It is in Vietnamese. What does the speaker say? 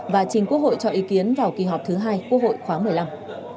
và trình quốc hội cho ý kiến vào kỳ họp thứ hai quốc hội khóa một mươi năm